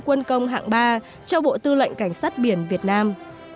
quân công hạng ba cho bộ tư lệnh cảnh sát biển việt nam